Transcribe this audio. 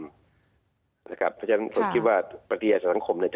เพราะฉะนั้นผมคิดว่าปฏิญาสังคม